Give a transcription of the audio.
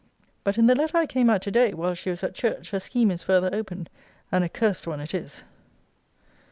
But in the letter I came at to day, while she was at church, her scheme is further opened; and a cursed one it is.